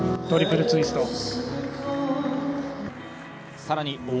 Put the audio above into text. トリプルツイスト。